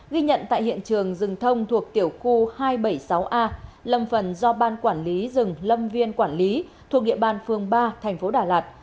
ghi nhận tại hiện trường rừng thông thuộc tiểu khu hai trăm bảy mươi sáu a lâm phần do ban quản lý rừng lâm viên quản lý thuộc địa bàn phường ba thành phố đà lạt